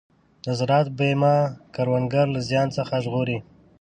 د زراعت بیمه کروندګر له زیان څخه ژغوري.